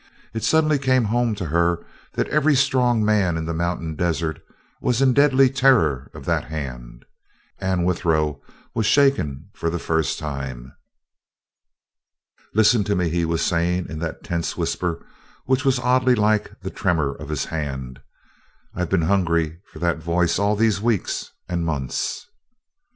It suddenly came home to her that every strong man in the mountain desert was in deadly terror of that hand. Anne Withero was shaken for the first time. "Listen to me," he was saying in that tense whisper which was oddly like the tremor of his hand, "I've been hungry for that voice all these weeks and months."